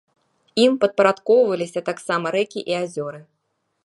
Ім падпарадкоўваліся таксама рэкі і азёры.